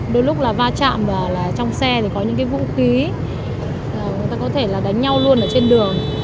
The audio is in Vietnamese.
đôi lúc là va chạm vào là trong xe có những vũ khí người ta có thể là đánh nhau luôn ở trên đường